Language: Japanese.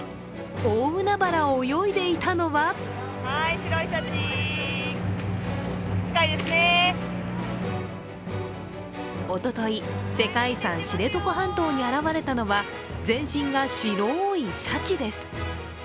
大海原を泳いでいたのはおととい、世界遺産・知床半島に現れたのは全身が白いシャチです。